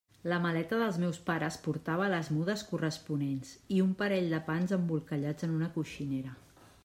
La maleta dels meus pares portava les mudes corresponents i un parell de pans embolcallats en una coixinera.